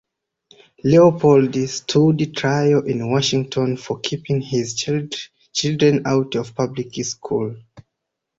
Leopold stood trial in Washington for keeping his children out of public school.